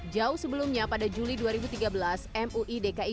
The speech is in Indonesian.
jauh sebelumnya pada juli dua ribu tiga belas mui dki jakarta